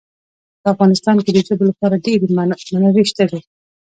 په افغانستان کې د ژبو لپاره ډېرې منابع شته دي.